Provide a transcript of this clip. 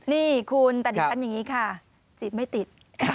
นี่คุณแต่ดิฉันอย่างนี้ค่ะจิตไม่ติด